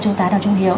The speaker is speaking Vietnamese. chú tá đào trung hiếu